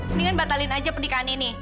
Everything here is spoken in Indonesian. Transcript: mendingan batalkan saja pernikahan ini